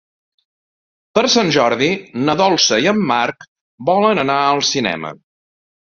Per Sant Jordi na Dolça i en Marc volen anar al cinema.